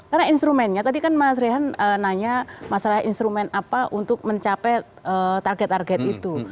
karena instrumennya tadi kan mas rehan nanya masalah instrumen apa untuk mencapai target target itu